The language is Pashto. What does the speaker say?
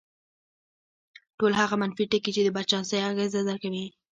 ټول هغه منفي ټکي چې د بدچانسۍ انګېزه درکوي.